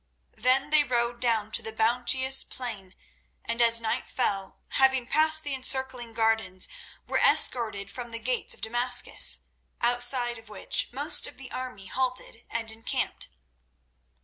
Then they rode down to the bounteous plain, and as night fell, having passed the encircling gardens, were escorted through the gates of Damascus, outside of which most of the army halted and encamped.